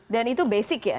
dan itu basic ya